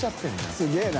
すげぇな。